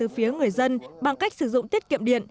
phía người dân bằng cách sử dụng tiết kiệm điện